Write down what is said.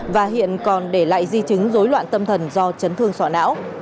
và hiện còn để lại di chứng dối loạn tâm thần do chấn thương sọ não